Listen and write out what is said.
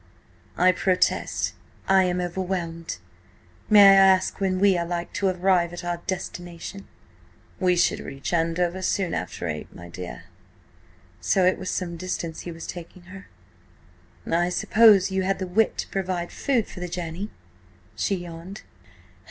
"I protest I am overwhelmed. May I ask when we are like to arrive at our destination?" "We should reach Andover soon after eight, my dear." So it was some distance he was taking her? "I suppose you had the wit to provide food for the journey?" she yawned.